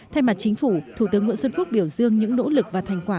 thay mặt chính phủ thủ tướng nguyễn xuân phúc biểu dương những nỗ lực và thành quả